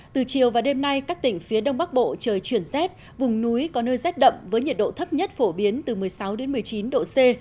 từ chiều và đêm nay các tỉnh phía đông bắc bộ trời chuyển rét vùng núi có nơi rét đậm với nhiệt độ thấp nhất phổ biến từ một mươi sáu một mươi chín độ c